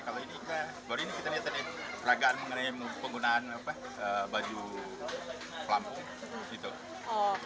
kalau ini kita lihat lihat peragaan mengenai penggunaan baju pelampung